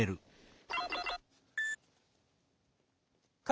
か